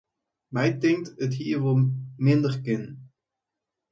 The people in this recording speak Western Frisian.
My tinkt, it hie minder kinnen.